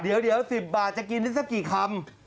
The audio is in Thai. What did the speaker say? เดี๋ยว๑๐บาทจะกินได้สักกี่คำ